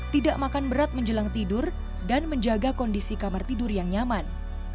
tidak makan berat menjelang tidur dan menjaga kondisi kamar tidur yang nyaman